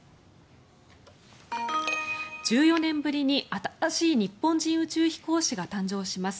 １４年ぶりに新しい日本人宇宙飛行士が誕生します。